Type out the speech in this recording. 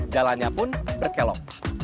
jalannya pun berkelop